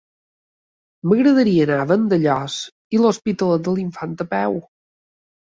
M'agradaria anar a Vandellòs i l'Hospitalet de l'Infant a peu.